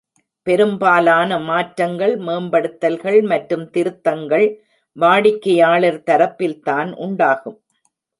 பெரும்பாலான மாற்றங்கள், மேம்படுத்தல்கள் மற்றும் திருத்தங்கள் வாடிக்கையாளர் தரப்பில்தான் உண்டாகும்.